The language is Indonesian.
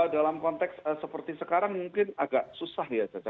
dalam konteks seperti sekarang mungkin agak susah ya caca